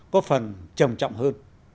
có phần trầm trọng hơn